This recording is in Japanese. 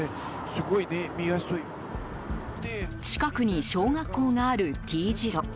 近くに小学校があるＴ字路。